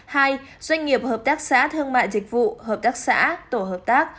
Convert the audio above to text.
hai doanh nghiệp hợp tác xã thương mại dịch vụ hợp tác xã tổ hợp tác